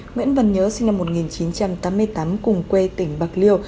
nguyễn văn nhớ sinh năm một nghìn chín trăm tám mươi tám cùng quê tỉnh bạc liêu